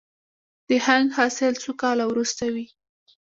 د هنګ حاصل څو کاله وروسته وي؟